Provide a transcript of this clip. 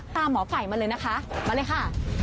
หมอไก่มาเลยนะคะมาเลยค่ะ